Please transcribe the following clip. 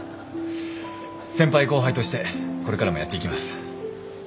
先輩後輩としてこれからもやっていきます。